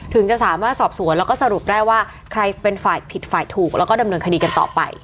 ถึงจะสามารถสอบสวนแล้วก็สรุปได้ว่าใครเป็นฝ่ายผิดฝ่ายถูกแล้วก็ดำเนินคดีกันต่อไป